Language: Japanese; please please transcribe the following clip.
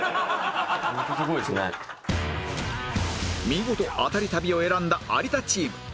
見事アタリ旅を選んだ有田チーム